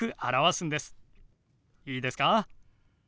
いいですか？